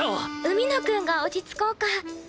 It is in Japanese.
海野くんが落ち着こうか。